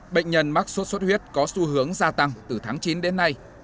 bệnh nhân mắc sốt xuất huyết có xu hướng gia tăng từ tháng chín đến nay